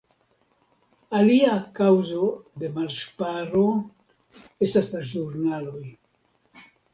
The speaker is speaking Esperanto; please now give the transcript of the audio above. Alia kaŭzo de malŝparo estas la ĵurnaloj.